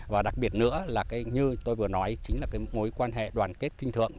và đặc biệt nữa là như tôi vừa nói chính là cái mối quan hệ đoàn kết kinh thượng